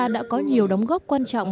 đã có nhiều đóng góp quan trọng